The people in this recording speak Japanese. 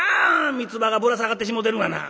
みつばがぶら下がってしもうてるがな。